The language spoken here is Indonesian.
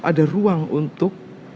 ada ruang untuk